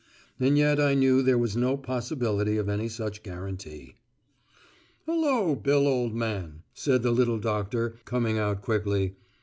And yet I knew there was no possibility of any such guarantee. "Hullo, Bill, old man," said the little doctor, coming out quickly.